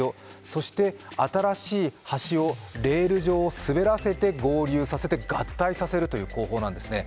そして新しい橋をレール上を滑らせて合流させて合体させるという方法なんですね。